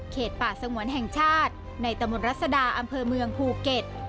ป่าสงวนแห่งชาติในตะมนตรัศดาอำเภอเมืองภูเก็ต